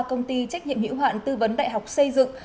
công ty trách nhiệm hữu hạn tư vấn đại học xây dựng